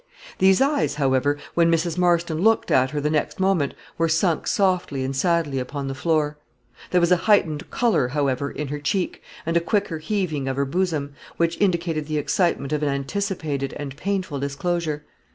These eyes, however, when Mrs. Marston looked at her the next moment, were sunk softly and sadly upon the floor. There was a heightened color, however, in her cheek, and a quicker heaving of her bosom, which indicated the excitement of an anticipated and painful disclosure.